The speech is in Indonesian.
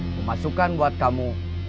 pemasukan buat kamu